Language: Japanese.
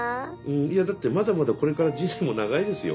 いやだってまだまだこれから人生も長いですよ。